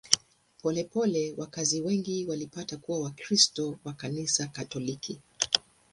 Polepole wakazi wengi walipata kuwa Wakristo wa Kanisa Katoliki.